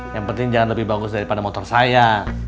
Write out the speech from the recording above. yang penting jangan lebih bagus daripada motor saya